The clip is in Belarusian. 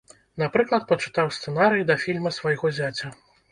Напрыклад, пачытаў сцэнарый да фільма свайго зяця.